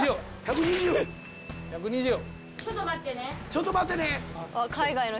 ちょっと待ってね。